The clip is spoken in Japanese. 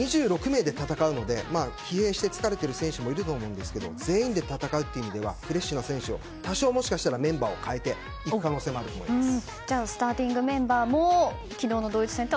２６名で戦うので疲弊して疲れている選手もいると思うんですけど全員で戦うという意味ではフレッシュな選手を多少メンバーを代えていく可能性もあると思います。